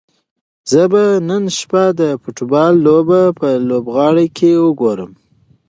زه به نن شپه د فوټبال لوبه په لوبغالي کې وګورم.